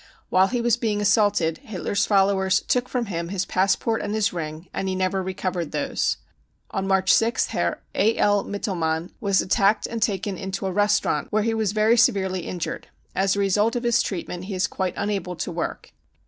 While he was being assaulted Hitler's followers took from him his passport and his rjng and he never recovered these. On March 6th, Herr A. L. Mittelmann was attacked and taken into a restaurant where he was very severely injured. As a result of his treatment he is quite unable to work.